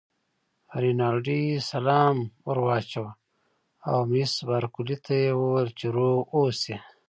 رینالډي سلام ور واچاوه او مس بارکلي ته یې وویل چې روغ اوسی.